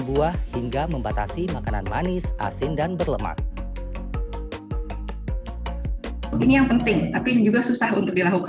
buah hingga membatasi makanan manis asin dan berlemak ini yang penting tapi juga susah untuk dilakukan